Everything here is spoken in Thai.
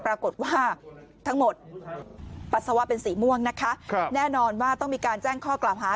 ปรากฏว่าทั้งหมดปัสสาวะเป็นสีม่วงนะคะแน่นอนว่าต้องมีการแจ้งข้อกล่าวหา